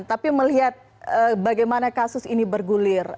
tapi melihat bagaimana kasus ini bergulir